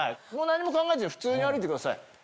何も考えずに普通に歩いてください。